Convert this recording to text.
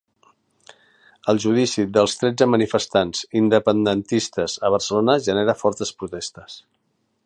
El judici dels tretze manifestants independentistes a Barcelona genera fortes protestes